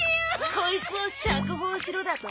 コイツを釈放しろだと？